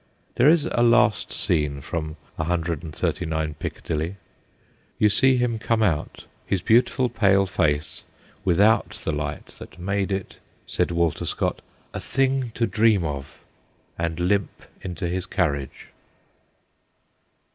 There is a last scene from 139 Picca dilly : you see him come out, his beautiful pale face without the light that made it, said Walter Scott, ' a thing to dream of/ and limp into his carriage.